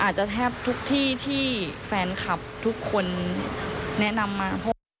อาจจะแทบทุกที่ที่แฟนคลับทุกคนแนะนำมา